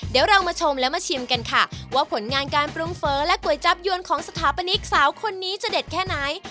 เดี๋ยวเรามาชมและมาชิมกันค่ะว่าผลงานการปรุงเฟ้อและก๋วยจับยวนของสถาปนิกสาวคนนี้จะเด็ดแค่ไหน